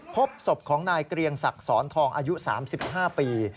พบศพของนายเกรียงศักดิ์สอนทองอายุ๓๕ปี